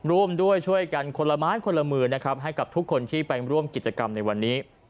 ร่วมด้วยช่วยกันคนละไม้คนละมือนะครับให้กับทุกคนที่ไปร่วมกิจกรรมในวันนี้